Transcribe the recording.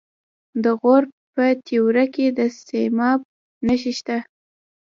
د غور په تیوره کې د سیماب نښې شته.